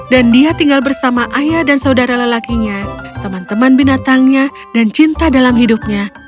dan dia tinggal bersama ayah dan saudara lelakinya teman teman binatangnya dan cinta dalam hidupnya